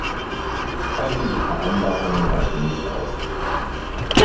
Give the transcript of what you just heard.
Freiwillige Vereinbarungen reichen nicht aus.